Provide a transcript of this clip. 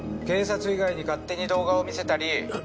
警察以外に勝手に動画を見せたり。